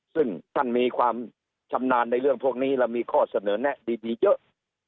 ซึ่งท่านมีความชำนาญในเรื่องพวกนี้และมีข้อเสนอแนะดีเยอะ